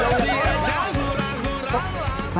jangan cekan nyurup